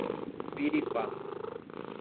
Piripá